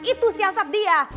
itu siasat dia